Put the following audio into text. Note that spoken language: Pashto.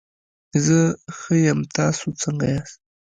زه ښه یم، تاسو څنګه ياست؟